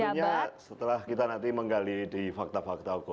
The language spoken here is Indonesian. tentunya setelah kita nanti menggali di fakta fakta hukum